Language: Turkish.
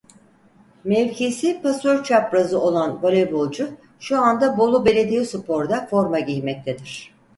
Mevkisi pasör çaprazı olan voleybolcu şu anda Bolu Belediyespor'da forma giymektedir.